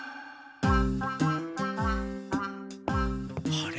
あれ？